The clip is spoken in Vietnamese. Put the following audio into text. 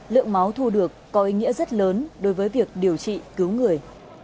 lượng máu thu được có ý nghĩa rất lớn đối với việc điều trị cứu người